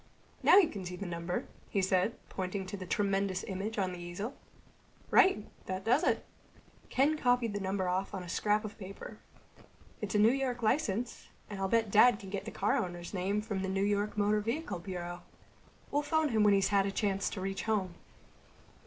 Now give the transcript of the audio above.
"Now you can see the number," he said, pointing to the tremendous image on the easel. "Right. That does it." Ken copied the number off on a scrap of paper. "It's a New York license. And I'll bet Dad can get the car owner's name from the New York Motor Vehicle Bureau. We'll phone him when he's had a chance to reach home."